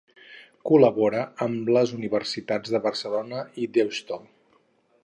Col·labora amb les universitats de Barcelona i Deusto.